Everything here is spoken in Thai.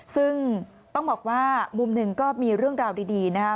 ซึ่งต้องบอกว่ามุมหนึ่งก็มีเรื่องราวดีนะครับ